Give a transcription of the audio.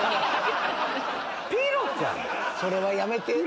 それはやめて。